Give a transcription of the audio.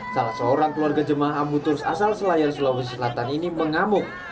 salah seorang keluarga jemaah ambuturs asal selayar sulawesi selatan ini mengamuk